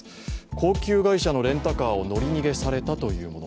高級外車のレンタカーを乗り逃げされたというもの。